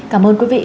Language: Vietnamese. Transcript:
cảm ơn quý vị